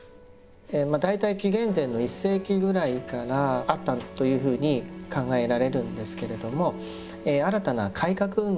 大体紀元前の１世紀ぐらいからあったというふうに考えられるんですけれども新たな改革運動としての仏教が大乗仏教です。